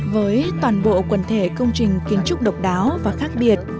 với toàn bộ quần thể công trình kiến trúc độc đáo và khác biệt